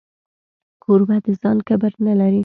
کوربه د ځان کبر نه لري.